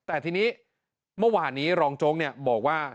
แต่ทีนี้เมื่อวานนี้รองโจ๊กบอกว่า